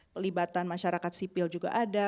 pelibatan masyarakat sipil juga ada